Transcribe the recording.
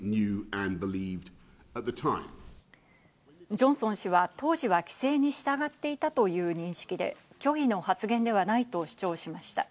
ジョンソン氏は当時は規制に従っていたという認識で、虚偽の発言ではないと主張しました。